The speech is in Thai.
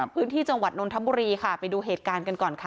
พื้นที่จังหวัดนนทบุรีค่ะไปดูเหตุการณ์กันก่อนค่ะ